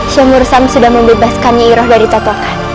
syekh mursam sudah membebaskan iroh dari tatokan